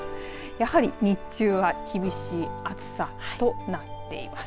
やはり日中は厳しい暑さとなっています。